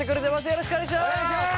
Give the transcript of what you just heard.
よろしくお願いします。